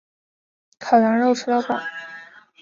烤羊肉吃到饱